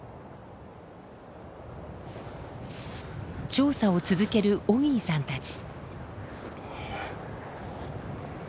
調査を続けるオギーさんたち。